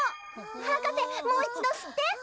はかせもういちどすって！